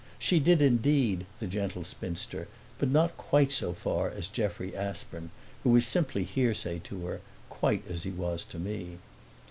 She did indeed, the gentle spinster, but not quite so far as Jeffrey Aspern, who was simply hearsay to her, quite as he was to me.